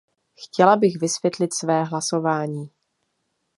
Chtěla bych vysvětlit své hlasování.